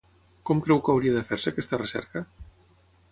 Com creu que hauria de fer-se aquesta recerca?